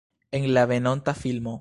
En la venonta filmo.